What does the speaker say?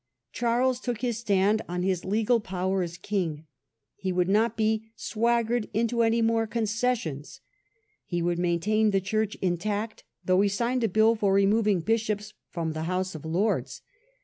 Charles took his stand on his legal power as king. He The king's would not be "swaggered into anymore con attitude, cessions ". He would maintain the church in tact, though he signed a Bill for removing Bishops from PAPER WAR. 39 the House of Lords.